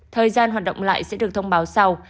thời gian hoạt động lại sẽ được thông báo sau